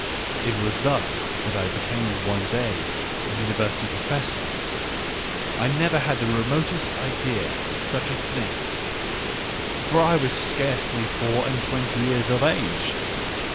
... It was thus that I became one day a University Professor — I had never had the remotest idea of such a thing; for I was scarcely four and twenty years of age.